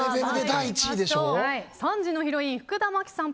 ３時のヒロイン福田麻貴さん